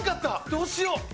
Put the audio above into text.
どうしよう。